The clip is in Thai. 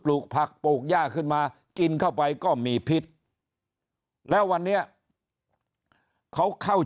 ลูกผักปลูกย่าขึ้นมากินเข้าไปก็มีพิษแล้ววันนี้เขาเข้า